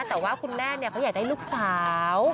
แต่ว่าคุณแม่เขาอยากได้ลูกสาว